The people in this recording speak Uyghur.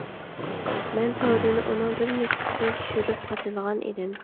مەن توردىن ئۇنىڭ بىر نۇسخىسىنى چۈشۈرۈپ قاچىلىغان ئىدىم.